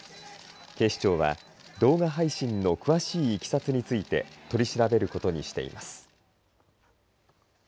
警視庁は動画配信の詳しいいきさつについて取り調べることにしています。